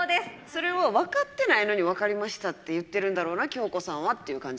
それはわかってないのにわかりましたって言ってるんだろうな京子さんはっていう感じなの？